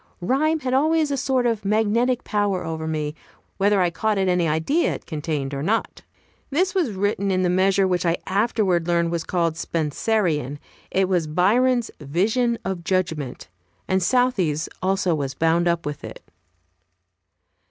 Rhyme had always a sort of magnetic power over me, whether I caught at any idea it contained or not. This was written in the measure which I afterwards learned was called Spenserian. It was Byron's "Vision of Judgment," and Southey's also was bound up with it.